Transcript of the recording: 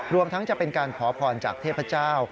รวมทั้งจะเป็นการขอพรจากเทพเจ้า